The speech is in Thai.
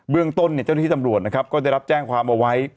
เรื่องต้นเจ้าหน้าที่ตำรวจนะครับก็ได้รับแจ้งความเอาไว้